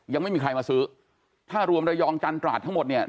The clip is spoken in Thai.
ยังไม่มีใครมาซื้อถ้ารวมระยองจันตราดทั้งหมดเนี่ย